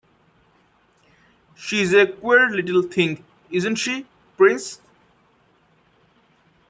She's a queer little thing, isn't she, Prince?